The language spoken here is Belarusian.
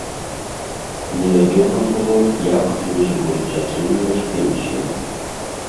Невядома было, як людзі будуць атрымліваць пенсію.